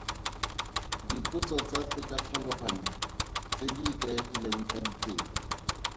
Dipotso tsa tekatlhaloganyo tse di ikaegileng ka diteng.